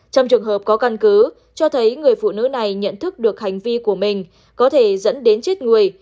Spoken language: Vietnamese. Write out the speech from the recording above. trong trường hợp có căn cứ cho thấy người phụ nữ này nhận thức được hành vi của mình có thể dẫn đến chết người